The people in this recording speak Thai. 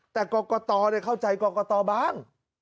แต่กรกตเข้าใจกรกตบ้าง